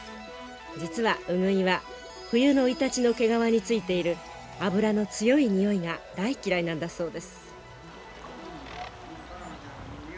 実はウグイは冬のイタチの毛皮についている脂の強いにおいが大嫌いなんだそうです。